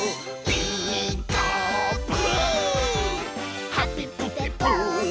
「ピーカーブ！」